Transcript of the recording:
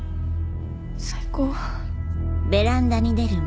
最高。